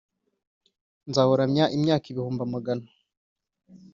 Nzawuramya imyaka ibihumbi amagana